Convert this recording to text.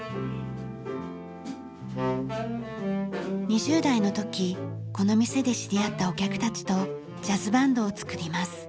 ２０代の時この店で知り合ったお客たちとジャズバンドを作ります。